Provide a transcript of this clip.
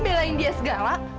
belain dia segala